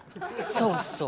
そうそう。